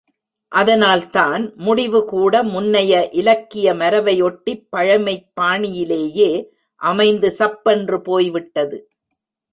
அதனால்தான், முடிவுகூட முன்னைய இலக்கியமரபை ஒட்டிப் பழைமைப் பாணியிலேயே அமைந்து சப் பென்று போய்விட்டது!